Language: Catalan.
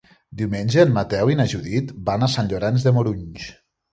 Diumenge en Mateu i na Judit van a Sant Llorenç de Morunys.